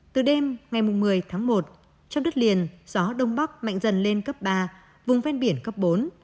từ đêm ngày một mươi tháng một trong đất liền gió đông bắc mạnh dần lên cấp ba vùng ven biển cấp bốn